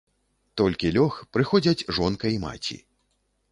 Толькі лёг, прыходзяць жонка і маці.